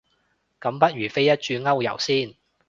咁不如飛一轉歐遊先